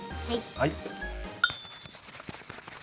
はい。